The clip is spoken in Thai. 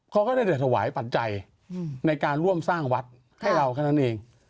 ก็ได้แต่ถวายปัจจัยในการร่วมสร้างวัดให้เราแค่นั้นเอง